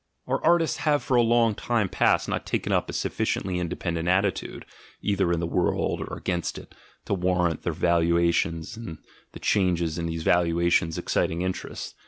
Our artists have for a long time past not taken up a sufficiently independent attitude, either in the world or against it, to warrant their valuations and the changes in these valua tions exciting interest.